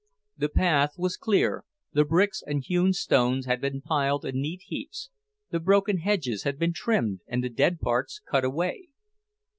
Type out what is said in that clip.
The path was clear, the bricks and hewn stones had been piled in neat heaps, the broken hedges had been trimmed and the dead parts cut away.